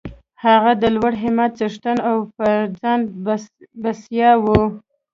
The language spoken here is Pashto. هغه د لوړ همت څښتن او پر ځان بسیا و